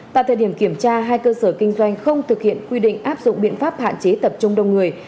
tại thời điểm kiểm tra hai cơ sở kinh doanh không thực hiện quy định áp dụng biện pháp hạn chế tập trung đông người